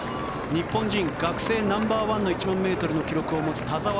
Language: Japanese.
日本人学生ナンバーワンの１００００ｍの記録を持つ田澤廉